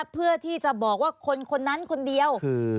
เพื่อที่จะบอกว่าคนคนนั้นคนเดียว